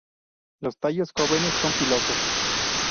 Los tallos jóvenes son pilosos.